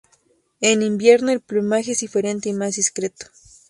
En invierno, el plumaje es diferente y más discreto.